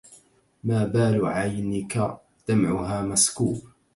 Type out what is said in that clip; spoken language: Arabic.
ما بال عينك دمعها مسكوب